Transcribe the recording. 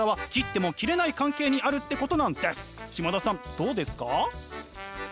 どうですか？